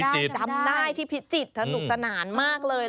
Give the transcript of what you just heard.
จำได้ที่พิจิตรสนุกสนานมากเลย